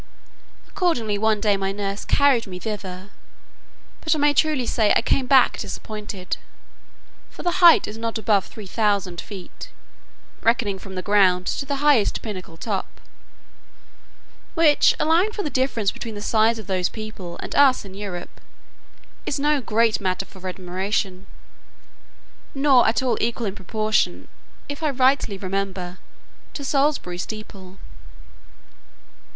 Accordingly one day my nurse carried me thither, but I may truly say I came back disappointed; for the height is not above three thousand feet, reckoning from the ground to the highest pinnacle top; which, allowing for the difference between the size of those people and us in Europe, is no great matter for admiration, nor at all equal in proportion (if I rightly remember) to Salisbury steeple.